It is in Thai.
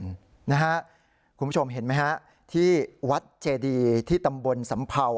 คุณผู้ชมเห็นไหมฮะที่วัดเจดีที่ตำบลสำเภา